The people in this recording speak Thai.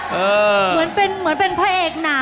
เหมือนเป็นพระเอกหนังมาก